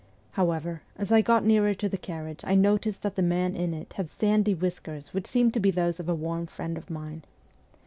However, as I got nearer to the carriage I noticed that the man in it had sandy whiskers which seemed to be those of a warm friend of mine.